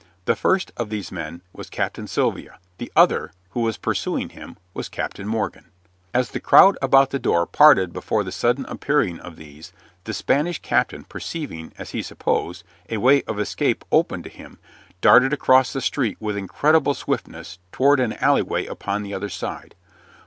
The first of these men was Captain Sylvia; the other, who was pursuing him, was Captain Morgan. As the crowd about the door parted before the sudden appearing of these, the Spanish captain, perceiving, as he supposed, a way of escape opened to him, darted across the street with incredible swiftness toward an alleyway upon the other side.